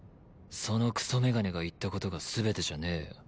そのクソメガネが言った事が全てじゃねえよ。